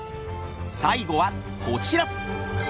最後はこちら！